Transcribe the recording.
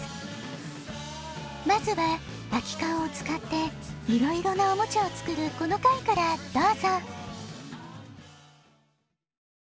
まずはあきかんをつかっていろいろなおもちゃをつくるこのかいからどうぞ！